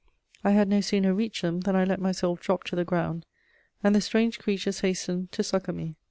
I had no sooner reached them than I let myself drop to the ground, and the strange creatures hastened to succour me.